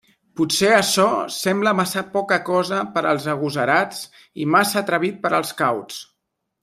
Potser açò sembla massa poca cosa per als agosarats i massa atrevit per als cauts.